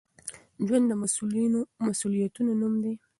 ژوند د مسؤليتونو نوم دی.